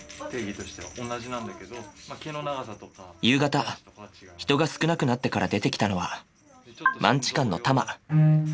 夕方人が少なくなってから出てきたのはマンチカンのたま。